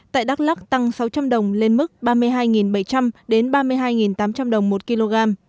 tại đắk lắc tăng sáu trăm linh đồng lên mức ba mươi hai bảy trăm linh ba mươi hai tám trăm linh đồng một kg